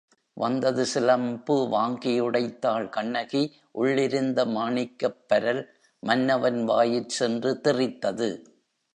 வந்தது சிலம்பு வாங்கி உடைத்தாள் கண்ணகி உள்ளிருந்த மாணிக்கப் பரல் மன்னவன் வாயிற் சென்று தெறித்தது.